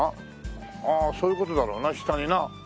ああそういう事だろうな下にな。